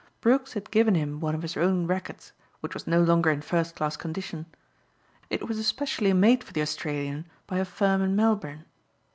Brooks had given him one of his own rackets which was no longer in first class condition. It was especially made for the Australian by a firm in Melbourne.